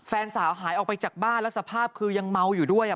แฟนสาวหายออกไปจากบ้านแล้วสภาพคือยังเมาอยู่ด้วย